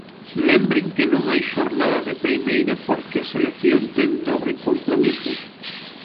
Lembren que non hai xornada de primeira porque a selección ten dobre compromiso.